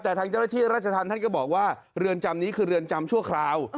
แต่ทางเจ้าหน้าที่ราชธรรมท่านก็บอกว่าเรือนจำนี้คือเรือนจำชั่วคราว